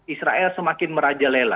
israel semakin merajalela